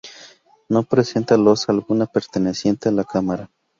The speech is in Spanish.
No presenta losa alguna perteneciente a la cámara.